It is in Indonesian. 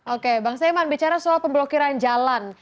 oke bang saiman bicara soal pemblokiran jalan